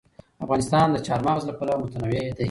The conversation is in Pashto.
افغانستان د چار مغز له پلوه متنوع دی.